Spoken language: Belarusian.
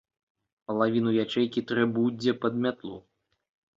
Палавіну ячэйкі трэ будзе пад мятлу.